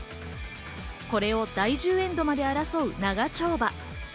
これを第１０エンドまで争う長丁場。